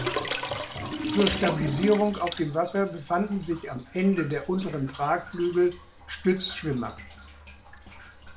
Zur Stabilisierung auf dem Wasser befanden sich am Ende der unteren Tragflügel Stützschwimmer.